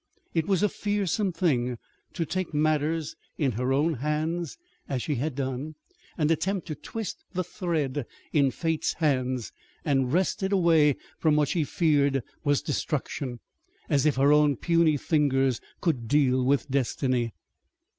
It was a fearsome thing to take matters in her own hands as she had done, and attempt to twist the thread in Fate's hands, and wrest it away from what she feared was destruction as if her own puny fingers could deal with Destiny!